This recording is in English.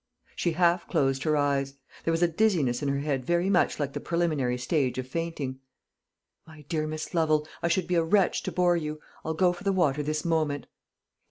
She half closed her eyes. There was a dizziness in her head very much like the preliminary stage of fainting. "My dear Miss Lovel, I should be a wretch to bore you. I'll go for the water this moment."